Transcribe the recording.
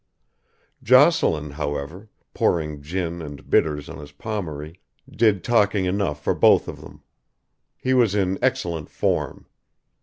Jocelyn, however, pouring gin and bitters on his Pommery, did talking enough for both of them. He was in excellent form.